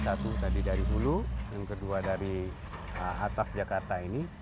satu tadi dari hulu yang kedua dari atas jakarta ini